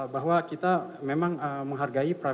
bahwa kita memang menghargai